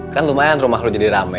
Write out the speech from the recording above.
kan lumayan rumah lo jadi rame